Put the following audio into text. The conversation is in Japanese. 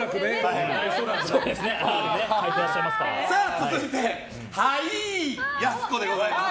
続いてははい、やす子でございます。